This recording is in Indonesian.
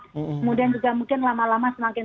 kemudian juga mungkin lama lama semakin